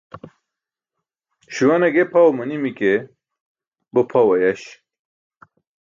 Śuwa ne ge pʰaw manimi ke, bo pʰaw ayaś.